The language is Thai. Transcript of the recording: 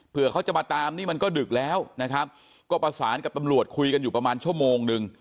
เพื่อเขาจะมาตามนี่มันก็ดึกแล้วนะครับก็ประสานกับตำรวจคุยกันอยู่ประมาณชั่วโมงนึง